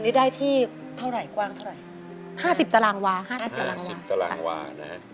นี่ได้ที่เท่าไหร่กว้างเท่าไหร่ห้าสิบตารางวาห้าตารางวาสิบตารางวานะ